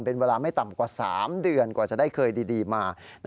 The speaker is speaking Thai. เป็นเวลาไม่ต่ำกว่า๓เดือนกว่าจะได้เคยดีมา